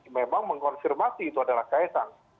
memang mengonfirmasi itu adalah kaitan